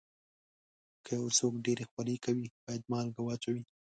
که یو څوک ډېر خولې کوي، باید مالګه واچوي.